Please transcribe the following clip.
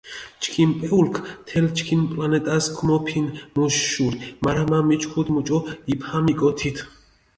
ჩქიმ პეულქ თელ ჩქიმ პლანეტას ქომოფინჷ მუშ შური, მარა მა მიჩქუდჷ მუჭო იბჰამიკო თით.